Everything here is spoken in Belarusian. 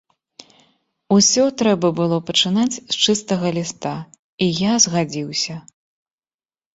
Усё трэба было пачынаць з чыстага ліста, і я згадзіўся.